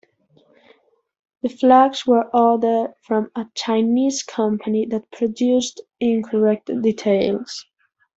The flags were ordered from a Chinese company that produced incorrect details.